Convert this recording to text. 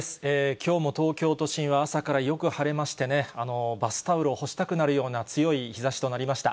きょうも東京都心は朝からよく晴れましてね、バスタオルを干したくなるような強い日ざしとなりました。